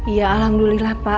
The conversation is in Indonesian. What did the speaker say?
ya alhamdulillah pak